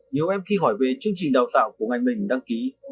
nhiều em khi hỏi về chương trình đào tạo của ngành mình đăng ký